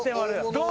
どう？